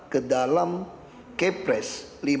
ke dalam kepres